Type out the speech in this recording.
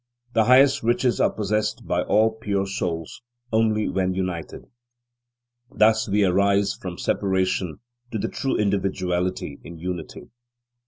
The highest riches are possessed by all pure souls, only when united. Thus we rise from separation to true individuality in unity.